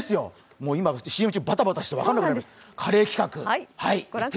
もう今ＣＭ中、バタバタして分からなくなった。